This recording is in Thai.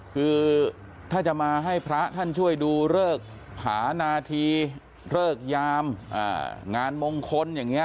คือถ้าจะมาให้พระท่านช่วยดูเลิกผานาธีเลิกยามงานมงคลอย่างนี้